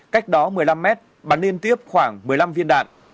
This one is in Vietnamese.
cách đó một mươi năm mét bắn liên tiếp khoảng một mươi năm viên đạn